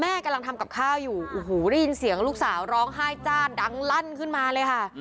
กำลังทำกับข้าวอยู่โอ้โหได้ยินเสียงลูกสาวร้องไห้จ้าดังลั่นขึ้นมาเลยค่ะ